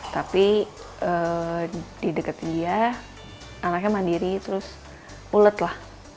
tapi di deketin dia anaknya mandiri terus ulet lah